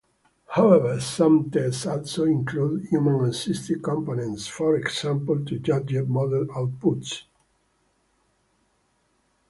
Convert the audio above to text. However, some tests also include human-assisted components - for example to judge model outputs.